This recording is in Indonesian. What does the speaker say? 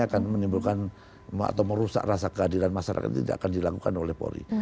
akan menimbulkan atau merusak rasa keadilan masyarakat tidak akan dilakukan oleh polri